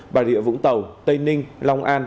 bà rịa vũng tàu tây ninh long an